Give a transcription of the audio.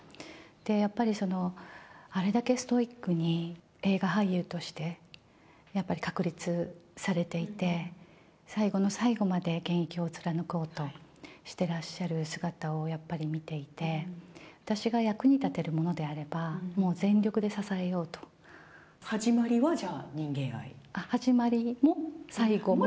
やっぱりあれだけストイックに、映画俳優として、やっぱり確立されていて、最後の最後まで現役を貫こうとしてらっしゃる姿をやっぱり見ていて、私が役に立てるものであれば、始まりはじゃあ、始まりも、最後も。